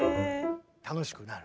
楽しくなる。